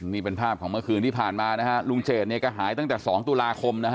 นี่เป็นภาพของเมื่อคืนที่ผ่านมานะฮะลุงเจดเนี่ยก็หายตั้งแต่๒ตุลาคมนะฮะ